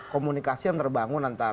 komunikasi yang terbangun antara